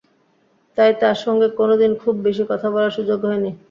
তাই তার সঙ্গে কোনো দিন খুব বেশি কথা বলার সুযোগ হয়নি।